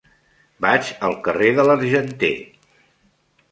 Vaig al carrer de l'Argenter.